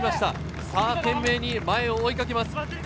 懸命に前を追いかけます。